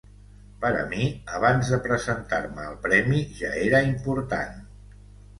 Per a mi, abans de presentar-me al premi ja era important.